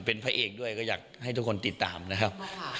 เป็นพระเอกด้วยก็อยากให้ทุกคนติดตามนะครับ